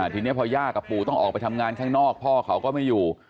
ทีนี้พอย่ากับปู่ต้องออกไปทำงานข้างนอกพ่อเขาก็ไม่อยู่